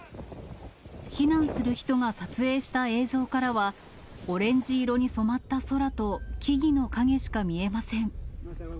避難する人が撮影した映像からは、オレンジ色に染まった空と、木々の影しか見えません。